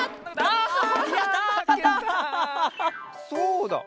そうだ。